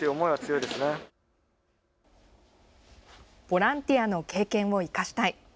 ボランティアの経験を生かしたい。